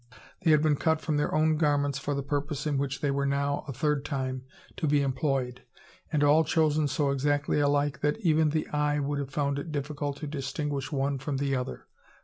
They had been cut from their own garments for the purpose in which they were now, a third time, to be employed, and all chosen so exactly alike, that even the eye would have found it difficult to distinguish one from the other.